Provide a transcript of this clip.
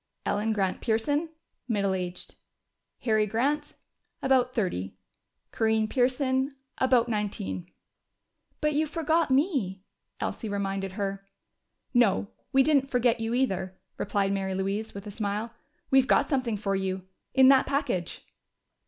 "Ellen Grant Pearson middle aged. "Harry Grant about thirty. "Corinne Pearson about nineteen...." "But you forgot me!" Elsie reminded her. "No, we didn't forget you, either," replied Mary Louise, with a smile. "We've got something for you in that package."